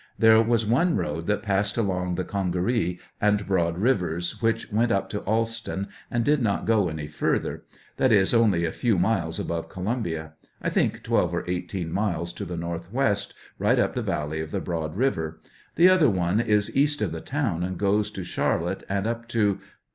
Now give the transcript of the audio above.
There was one road that passed along the Congaree and Broad rivers which went up to Alston, and did not go any further; that is, only a few miles above Columbia;! think, 12 or 18 miles to the northwest, right up the valley of the Broad river; the other one is east of the town, and goes to Charlotte and up to A.